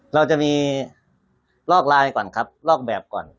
เราจะมีลอกไลน์ก่อนครับลอกแบบก่อน